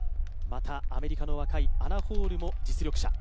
またアメリカの若いアナ・ホールも実力者。